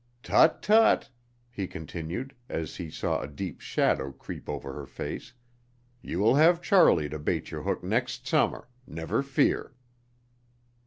Tut, tut!" he continued, as he saw a deep shadow creep over her face, "you will have Charlie to bait your hook next summer, never fear!"